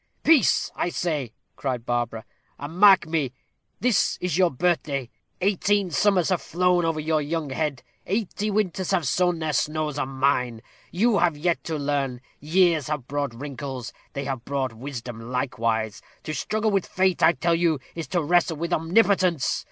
"Peace, I say!" cried Barbara, "and mark me. This is your birthday. Eighteen summers have flown over your young head eighty winters have sown their snows on mine. You have yet to learn. Years have brought wrinkles they have brought wisdom likewise. To struggle with Fate, I tell you, is to wrestle with Omnipotence.